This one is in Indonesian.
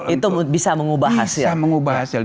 itu bisa mengubah hasil